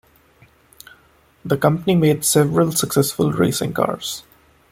The company made several successful racing cars.